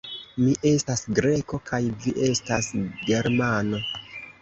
Mi estas Greko, kaj vi estas Germano.